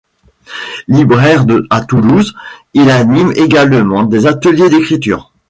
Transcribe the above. Libraire à Toulouse, il anime également des ateliers d’écriture.